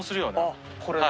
あっこれね。